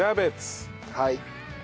はい。